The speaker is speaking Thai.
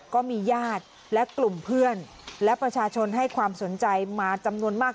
ก็มีญาติและกลุ่มเพื่อนและประชาชนให้ความสนใจมาจำนวนมาก